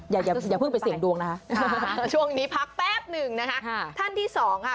อย่าอย่าเพิ่งไปเสี่ยงดวงนะคะช่วงนี้พักแป๊บหนึ่งนะคะท่านที่สองค่ะ